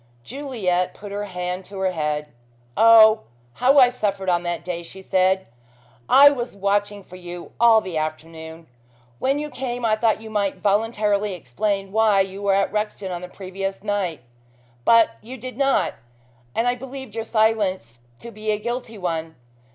Juliet put her hand to her head. "Oh, how I suffered on that day," she said. "I was watching for you all the afternoon. When you came I thought you might voluntarily explain why you were at Rexton on the previous night. But you did not, and I believed your silence to be a guilty one.